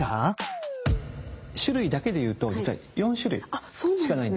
種類だけでいうと実は４種類しかないんですね。